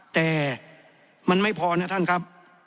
แต่มันไม่พอนะท่านครับ